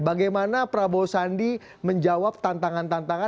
bagaimana prabowo sandi menjawab tantangan tantangan